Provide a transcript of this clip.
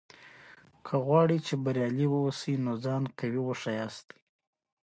که غواړې بریالی واوسې؛ نو ځان قوي وښیاست!